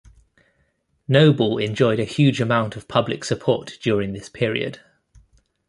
Noble enjoyed a huge amount of public support during this period.